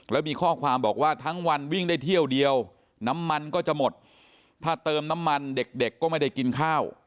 แล้วมีข้อความบอกว่าทั้งวันวิ่งได้เที่ยวเดียวน้ำมันก็จะหมดถ้าเติมน้ำมันเด็กเด็กก็ไม่ได้กินข้าว